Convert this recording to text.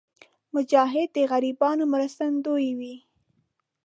مجاهد د غریبانو مرستندوی وي.